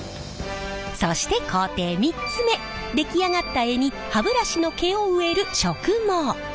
そして工程３つ目出来上がった柄に歯ブラシの毛を植える植毛。